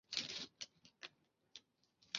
席尔达是德国勃兰登堡州的一个市镇。